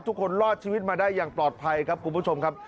ทุกคนรอดชีวิตมาได้อย่างปลอดภัยครับคุณผู้ชมครับ